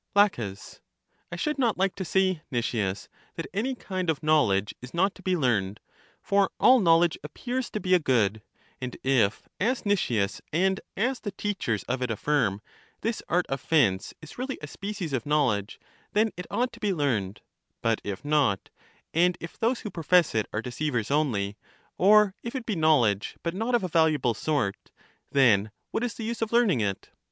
La, I should not like to say, Nicias, that any kind of knowledge is not to be learned ; for all knowledge appears to be a good: and if, as Nicias and as the teachers of it affirm, this art of fence is really a species of knowledge, then it ought to be learned ; but if not, and if those who profess it are deceivers only; or if it be knowledge, but not of a valuable sort ; then what is the use of learning it?